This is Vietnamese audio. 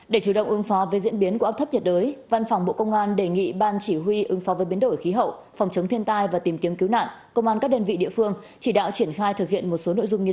để chủ động ứng phó với diễn biến của áp thấp nhiệt đới văn phòng bộ công an đề nghị ban chỉ huy ứng phó với biến đổi khí hậu phòng chống thiên tai và tìm kiếm cứu nạn công an các đơn vị địa phương chỉ đạo triển khai thực hiện một số nội dung như sau